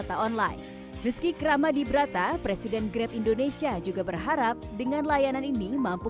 data online meski kerama di brata presiden grab indonesia juga berharap dengan layanan ini mampu